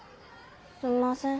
すんません。